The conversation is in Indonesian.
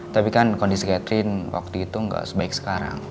tapi kan kondisi catherine waktu itu nggak sebaik sekarang